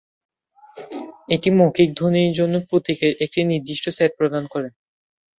এটি মৌখিক ধ্বনির জন্য প্রতীকের একটি নির্দিষ্ট সেট প্রদান করে।